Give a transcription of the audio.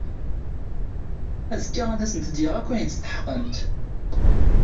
Azekka ad asent-d-yaɣ akk ayen steḥqent.